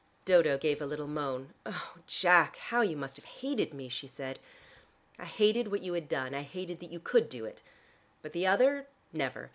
Dodo gave a little moan. "Oh, Jack, how you must have hated me!" she said. "I hated what you had done: I hated that you could do it. But the other, never.